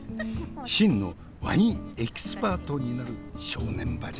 真のワインエキスパートになる正念場じゃな。